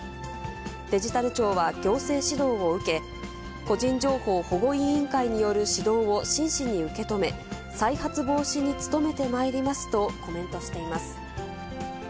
デジタル庁は行政指導を受け、個人情報保護委員会による指導を真摯に受け止め、再発防止に努めてまいりますとコメントしています。